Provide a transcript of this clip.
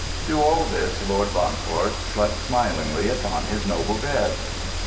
Through all this Lord Bancourt slept smilingly upon his noble bed.